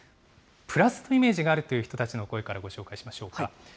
プラスのイメージがあるという人たちの声からご紹介しましょうか。